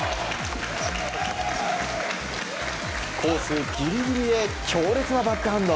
コースギリギリへ強烈なバックハンド。